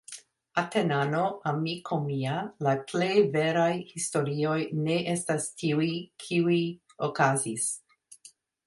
Atenano, amiko mia, la plej veraj historioj ne estas tiuj, kiujo okazis.